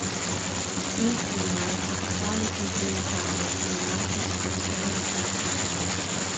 Il clima è tropicale continentale, con un'ampia escursione di temperatura.